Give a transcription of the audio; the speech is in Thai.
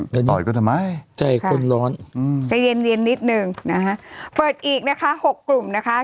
จะเย็นอีกนิดนึงนะฮะเปิดอีกนะคะ๖กลุ่มนะคะ